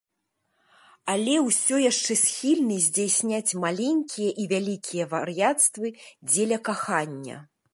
Але ўсё яшчэ схільны здзяйсняць маленькія і вялікія вар'яцтвы дзеля кахання.